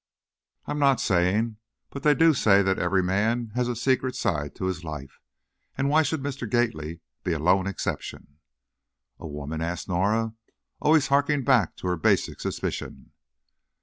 "I'm not saying. But they do say every man has a secret side to his life, and why should Mr. Gately be a lone exception?" "A woman?" asked Norah, always harking back to her basic suspicion.